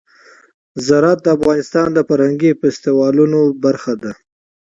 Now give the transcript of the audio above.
زراعت د افغانستان د فرهنګي فستیوالونو برخه ده.